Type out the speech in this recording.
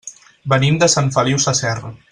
Venim de Sant Feliu Sasserra.